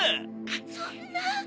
そんな。